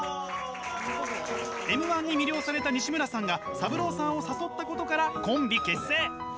Ｍ−１に魅了されたにしむらさんがサブローさんを誘ったことからコンビ結成。